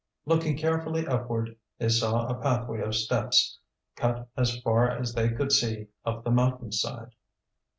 Looking carefully upward, they saw a pathway of steps cut as far as they could see up the mountain side.